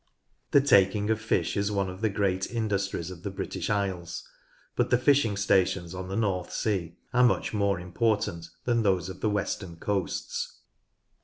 The taking of fish is one of the great industries of the British Isles, but the fishing stations on the North Sea are much more important than those of the western coasts.